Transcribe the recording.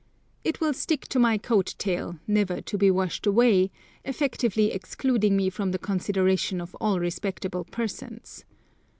It will stick to my coat tail, never to be washed away, effectively excluding me from the consideration of all respectable persons.